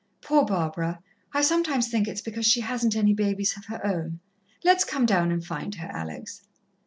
Poor Barbara! I sometimes think it's because she hasn't any babies of her own. Let's come down and find her, Alex."